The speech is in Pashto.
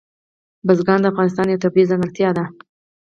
بزګان د افغانستان یوه طبیعي ځانګړتیا ده.